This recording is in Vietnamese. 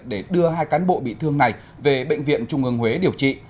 để đưa hai cán bộ bị thương này về bệnh viện trung ương huế điều trị